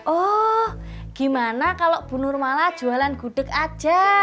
oh gimana kalau bunur mala jualan gudeg aja